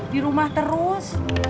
di rumah terus